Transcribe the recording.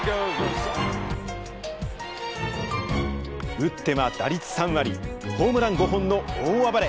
打っては打率３割ホームラン５本の大暴れ。